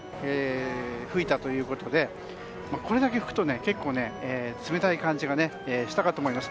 吹いたということでこれだけ吹くと、結構冷たい感じがしたかと思います。